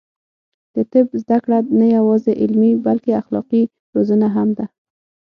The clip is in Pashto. د طب زده کړه نه یوازې علمي، بلکې اخلاقي روزنه هم ده.